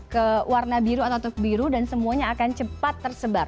ke warna biru atau top biru dan semuanya akan cepat tersebar